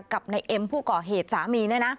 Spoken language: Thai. กับนายเอ็มผู้ก่อเหตุสามี